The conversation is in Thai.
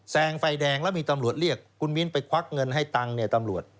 งไฟแดงแล้วมีตำรวจเรียกคุณมิ้นไปควักเงินให้ตังค์เนี่ยตำรวจ